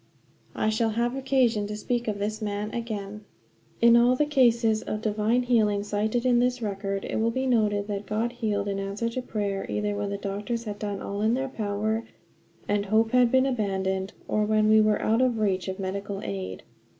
I shall have occasion to speak of this man again. In all the cases of divine healing cited in this record it will be noted that God healed in answer to prayer either when the doctors had done all in their power and hope had been abandoned, or when we were out of reach of medical aid.